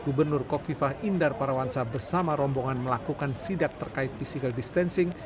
gubernur kofifah indar parawansa bersama rombongan melakukan sidak terkait physical distancing